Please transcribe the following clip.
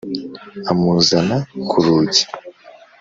amuzana ku rugi